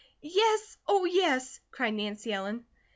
"Yes, oh, yes!" cried Nancy Ellen.